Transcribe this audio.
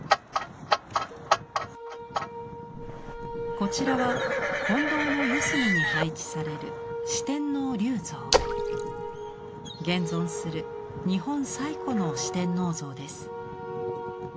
こちらは金堂の四隅に配置される現存する日本最古の四天王像です。